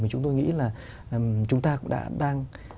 mà chúng tôi nghĩ là chúng ta cũng đã đang